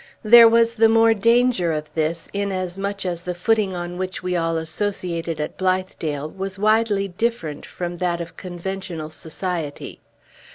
There was the more danger of this, inasmuch as the footing on which we all associated at Blithedale was widely different from that of conventional society.